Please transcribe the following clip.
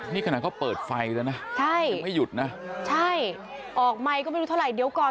นี่ขนาดเขาเปิดไฟแล้วนะใช่ยังไม่หยุดนะใช่ออกไมค์ก็ไม่รู้เท่าไหร่เดี๋ยวก่อน